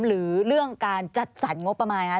หรือเรื่องการจัดสรรงบประมาณคะ